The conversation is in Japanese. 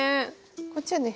こっちはね